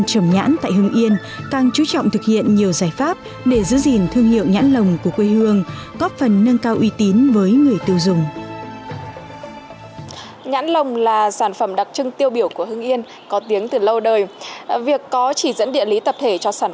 xin chào và hẹn gặp lại trong các bản tin tiếp theo